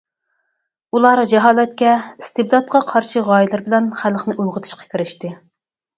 ئۇلار جاھالەتكە ئىستىبداتقا قارشى غايىلىرى بىلەن خەلقنى ئويغىتىشقا كىرىشتى.